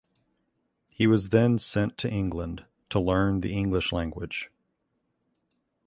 He was then sent to England to learn the English language.